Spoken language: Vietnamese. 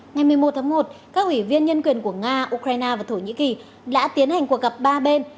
ngày một mươi một tháng một các ủy viên nhân quyền của nga ukraine và thổ nhĩ kỳ đã tiến hành cuộc gặp ba bên